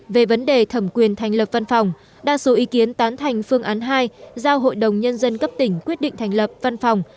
về vấn đề thẩm quyền thành lập văn phòng đa số ý kiến tán thành phương án hai giao hội đồng nhân dân cấp tỉnh quyết định thành lập văn phòng